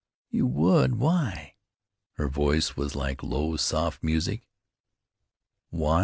"You would? Why?" Her voice was like low, soft music. "Why?"